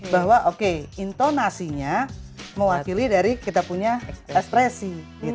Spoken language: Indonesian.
bahwa oke intonasinya mewakili dari kita punya ekspresi